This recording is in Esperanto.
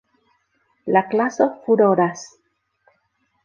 La klaso furoras.